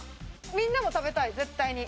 みんなも食べたい絶対に。